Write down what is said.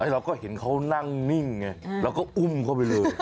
เราก็เห็นเขานั่งนิ่งไงเราก็อุ้มเข้าไปเลย